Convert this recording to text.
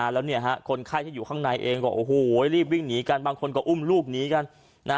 แล้วคนไข้ที่อยู่ข้างในเองก็โอ้โหรีบวิ่งหนีกันบางคนก็อุ้มลูกหนีกัน